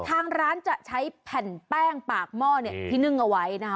ทางร้านจะใช้แผ่นแป้งปากหม้อที่นึ่งเอาไว้นะคะ